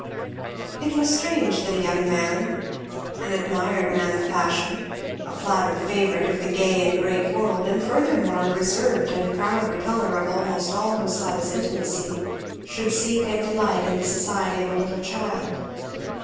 It was strange that a young man, an admired man of fashion, a flattered favourite of the gay and great world, and furthermore a reserved and proud repeller of almost all who sought his intimacy, should seek and delight in the society of a little child.